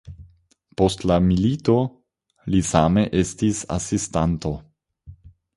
Post la milito li same estis asistanto.